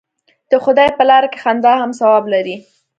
د خدای په لاره کې خندا هم ثواب لري.